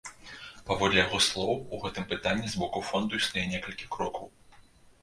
Паводле яго слоў, у гэтым пытанні з боку фонду існуе некалькі крокаў.